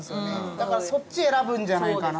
だからそっち選ぶんじゃないかなと。